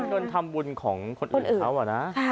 เงินทำบุญของคนอื่นเขาอะนะ